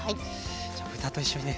じゃあ豚と一緒にね